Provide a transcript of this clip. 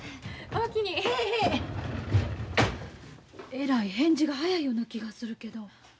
えらい返事が早いような気がするけど。